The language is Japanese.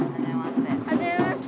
はじめまして。